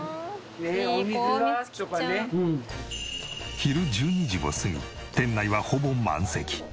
昼１２時を過ぎ店内はほぼ満席。